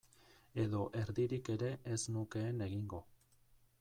Edo erdirik ere ez nukeen egingo.